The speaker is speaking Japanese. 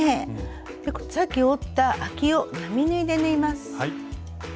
さっき折ったあきを並縫いで縫います。